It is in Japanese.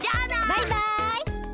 バイバイ！